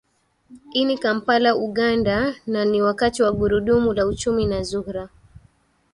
ini kampala uganda na ni wakati wa gurudumu la uchumi na zuhra